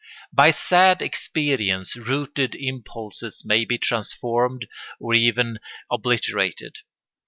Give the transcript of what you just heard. By sad experience rooted impulses may be transformed or even obliterated.